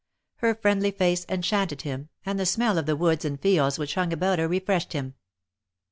Her friendly face enchanted him, and the smell of the woods and fields which hung about her refreshed him.